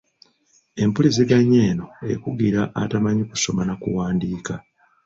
Empuliziganya eno ekugira atamanyi kusoma na kuwandiika.